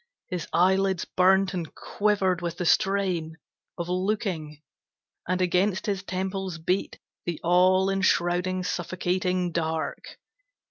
His eyelids burnt and quivered with the strain Of looking, and against his temples beat The all enshrouding, suffocating dark.